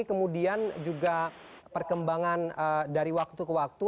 kemudian juga perkembangan dari waktu ke waktu